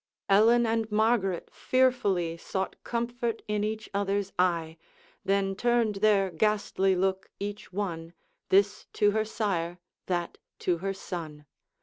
Ellen and Margaret fearfully Sought comfort in each other's eye, Then turned their ghastly look, each one, This to her sire, that to her son.